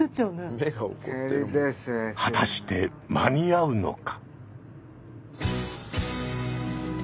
果たして間に合うのか。